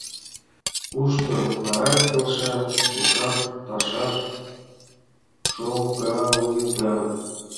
Кушто утларак келша, тушак пашаш шогалыда...